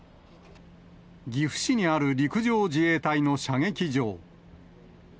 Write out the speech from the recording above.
岐阜市にある陸上自衛隊の射撃場。